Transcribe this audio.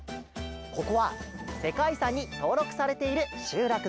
ここはせかいいさんにとうろくされているしゅうらくだよ。